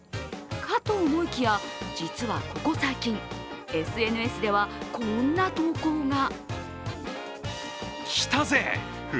かと思いきや実はここ最近、ＳＮＳではこんな投稿が。